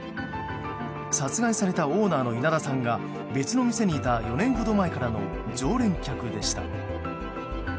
殺害されたオーナーの稲田さんが別の店にいた４年ほど前からの常連客でした。